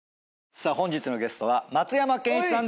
さあ本日のゲストは松山ケンイチさん